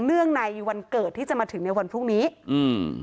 ในวันเกิดที่จะมาถึงในวันพรุ่งนี้อืม